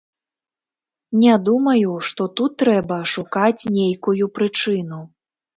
Не думаю, што тут трэба шукаць нейкую прычыну.